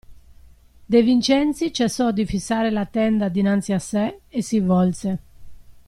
De Vincenzi cessò di fissare la tenda dinanzi a sè e si volse.